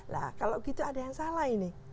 nah kalau gitu ada yang salah ini